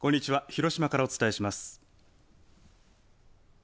広島からお伝えします。